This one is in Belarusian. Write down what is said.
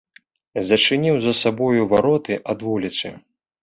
Зачыніў за сабою вароты ад вуліцы.